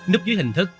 núp dưới hình thức